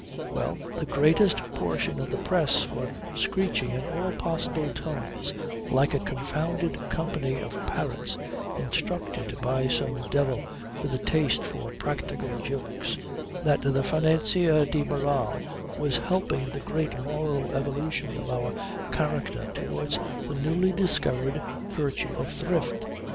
... Well the greatest portion of the press were screeching in all possible tones, like a confounded company of parrots instructed by some devil with a taste for practical jokes, that the financier de Barral was helping the great moral evolution of our character towards the newly discovered virtue of Thrift.